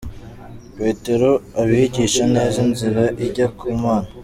Petero abigisha neza inzira ijya ku Mana.